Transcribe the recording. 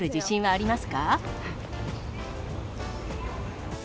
あります。